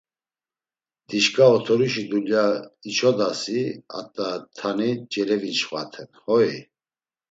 Dişǩa otoruşi dulya içodasi at̆a tani celeginçxvaten hoi?